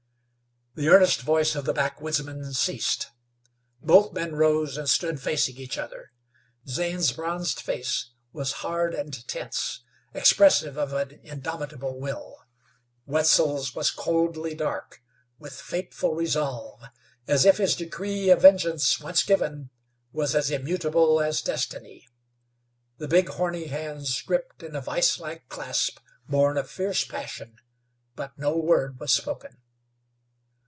The earnest voice of the backwoodsman ceased. Both men rose and stood facing each other. Zane's bronzed face was hard and tense, expressive of an indomitable will; Wetzel's was coldly dark, with fateful resolve, as if his decree of vengeance, once given, was as immutable as destiny. The big, horny hands gripped in a viselike clasp born of fierce passion, but no word was spoken.